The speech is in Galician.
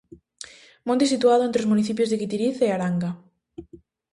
Monte situado entre os municipios de Guitiriz e Aranga.